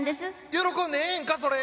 喜んでええんかそれ！